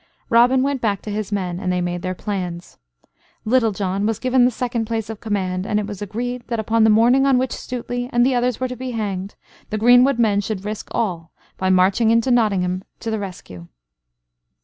Robin went back to his men, and they made their plans. Little John was given the second place of command, and it was agreed that upon the morning on which Stuteley and the others were to be hanged the greenwood men should risk all by marching into Nottingham to the rescue.